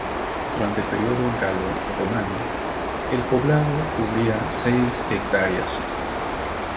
Durante el periodo galo-romano, el poblado cubría seis hectáreas.